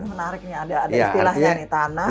menarik nih ada istilahnya nih tanah